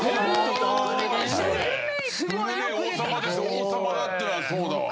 王様だったらそうだわ。